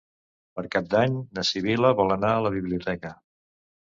Per Cap d'Any na Sibil·la vol anar a la biblioteca.